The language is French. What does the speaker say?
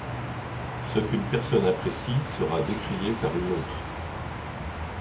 Ce qu’une personne apprécie sera décrié par une autre.